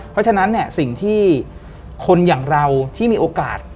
เพราะฉะนั้นเนี่ยสิ่งที่คนอย่างเราที่มีโอกาส